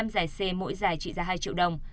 một mươi năm giải c mỗi giải trị giá hai triệu đồng